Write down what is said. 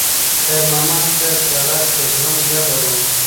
خیر محمد ته سړک د ژوند جبر و.